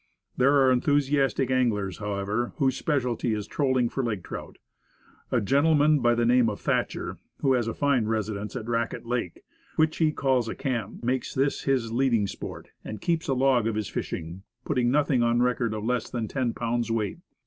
There are enthusiastic anglers, however, whose specialty is trolling for lake trout. A gentleman by the name of Thatcher, who has a fine residence on Raquette Lake which he calls a camp makes this his leading sport, and keeps a log of his fishing, putting nothing on record of less than ten pounds weight.